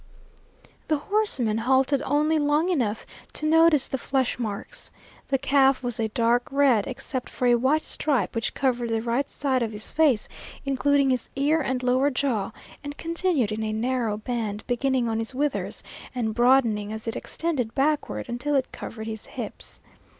The horseman halted only long enough to notice the flesh marks. The calf was a dark red except for a white stripe which covered the right side of his face, including his ear and lower jaw, and continued in a narrow band beginning on his withers and broadening as it extended backward until it covered his hips.